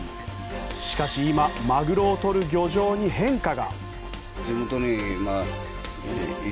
しかし今、マグロを取る漁場に変化が。